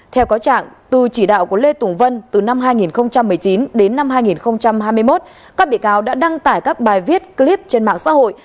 theo có trạng từ chỉ đạo của lê tùng vân từ năm hai nghìn một mươi chín đến năm hai nghìn hai mươi một các bị cáo đã đăng tải các bài viết clip trên mạng xã hội